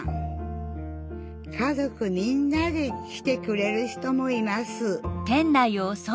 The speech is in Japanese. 家族みんなで来てくれる人もいます